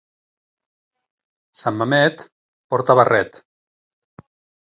Sant Mamet porta barret.